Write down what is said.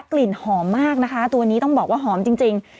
กลิ่นหอมมากนะคะตัวนี้ต้องบอกว่าหอมจริง